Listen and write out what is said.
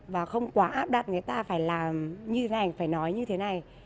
và không quá áp đặt người ta phải làm như thế anh phải nói như thế này